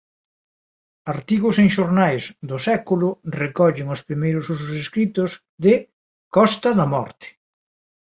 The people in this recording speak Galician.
Artigos en xornais do século recollen os primeiros usos escritos de "costa da morte".